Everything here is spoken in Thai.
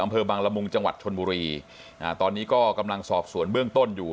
อำเภอบังละมุงจังหวัดชนบุรีอ่าตอนนี้ก็กำลังสอบสวนเบื้องต้นอยู่